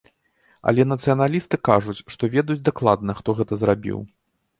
Але нацыяналісты кажуць, што ведаюць дакладна, хто гэта зрабіў.